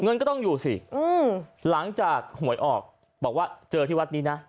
เงินก็ต้องอยู่สิหลังจากหวยออกบอกว่าเจอที่วัดนี้นะ